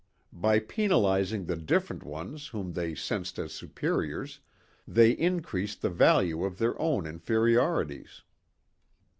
By penalizing the different ones whom they sensed as superiors, they increased the value of their own inferiorities.